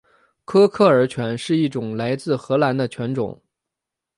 科克尔犬是一种来自荷兰的犬种。